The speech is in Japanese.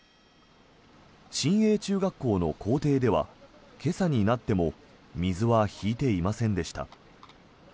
新栄中学校の校庭では今朝になっても水は引いていませんでした。